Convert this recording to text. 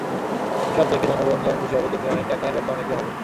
এসব দেখে জনগণ যেমন খুশি হবে, তেমনি অনেক টাকার ব্যবসা-বাণিজ্যও হবে।